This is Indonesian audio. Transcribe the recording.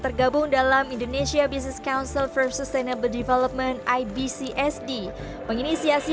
tergabung dalam indonesia business council for sustainable development ibcsd menginisiasi